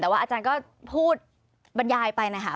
แต่ว่าอาจารย์ก็พูดบรรยายไปนะคะ